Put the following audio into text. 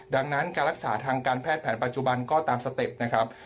ดังนั้นการรักษาทางการแพทย์แผนปัจจุบันก็ตามสเต็ปนะครับ